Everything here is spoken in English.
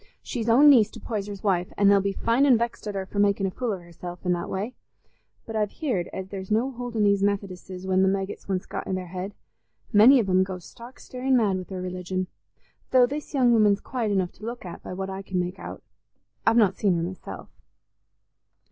She's own niece to Poyser's wife, an' they'll be fine an' vexed at her for making a fool of herself i' that way. But I've heared as there's no holding these Methodisses when the maggit's once got i' their head: many of 'em goes stark starin' mad wi' their religion. Though this young woman's quiet enough to look at, by what I can make out; I've not seen her myself."